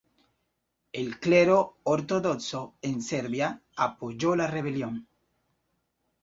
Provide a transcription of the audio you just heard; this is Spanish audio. El clero ortodoxo en Serbia apoyó la rebelión.